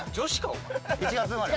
お前１月生まれは？